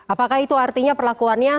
apakah itu artinya perlakuannya